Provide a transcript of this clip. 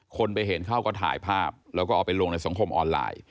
คนไปเห็นเขาก็ถ่ายภาพแล้วก็เอาไปลงในสังคมออนไลน์